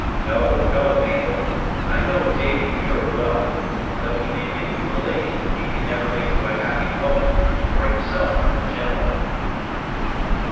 No, no, Mabel; I know Davy Muir well, and though he may make you a lady, he can never make you a happy woman, or himself a gentleman."